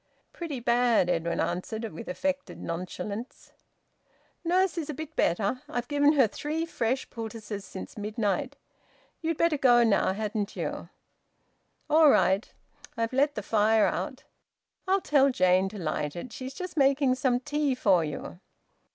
"Pretty bad," Edwin answered, with affected nonchalance. "Nurse is a bit better. I've given her three fresh poultices since midnight. You'd better go now, hadn't you?" "All right. I've let the fire out." "I'll tell Jane to light it. She's just making some tea for you."